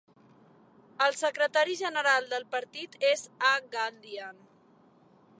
El secretari general del partit és A. Gandhian.